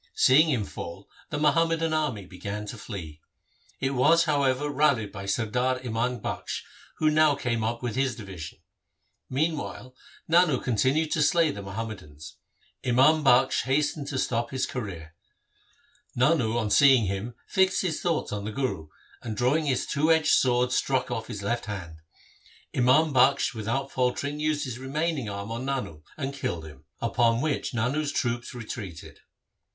Seeing him fall the Muham madan army began to flee. It was, however, rallied by Sardar Imam Bakhsh, who now came up with his division. Meanwhile Nano continued to slay the Muhammadans. Imam Bakhsh hastened to stop his career. Nano on seeing him fixed his thoughts on the Guru, and drawing his two edged sword struck off his left hand. Imam Bakhsh without faltering used his remaining arm on Nano and killed him, upon which Nano's troops retreated.